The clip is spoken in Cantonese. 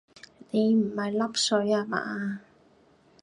你唔係笠水呀嗎